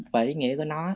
bởi ý nghĩa của nó